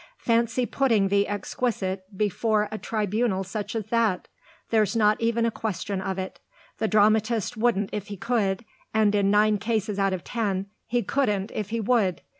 Fancy putting the exquisite before such a tribunal as that! There's not even a question of it. The dramatist wouldn't if he could, and in nine cases out of ten he couldn't if he would.